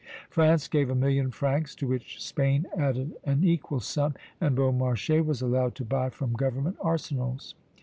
France gave a million francs, to which Spain added an equal sum, and Beaumarchais was allowed to buy from government arsenals.